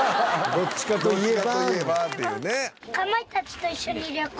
「どっちかといえばっていうね」